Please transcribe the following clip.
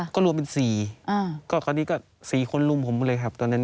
ก็รวมเป็น๔ตอนนี้ก็๔คนลุมผมเลยครับ